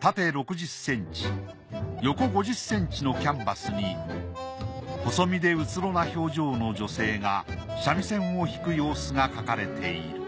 縦６０ｃｍ横５０ｃｍのキャンバスに細身でうつろな表情の女性が三味線を弾く様子が描かれている。